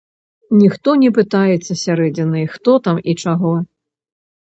Ніхто не пытаецца з сярэдзіны, хто там і чаго.